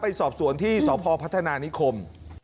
ไปสอบสวนที่สพพัฒนานิคม